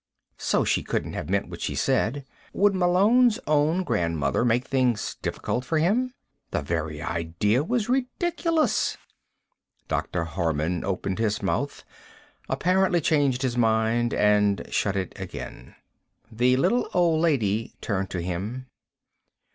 So she couldn't have meant what she'd said. Would Malone's own grandmother make things difficult for him? The very idea was ridiculous. Dr. Harman opened his mouth, apparently changed his mind, and shut it again. The little old lady turned to him.